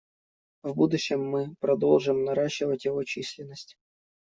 В будущем мы продолжим наращивать его численность.